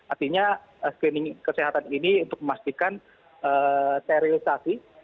artinya screening kesehatan ini untuk memastikan sterilisasi